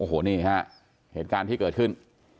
โอ้โหนี่ฮะเหตุการณ์ที่เกิดขึ้น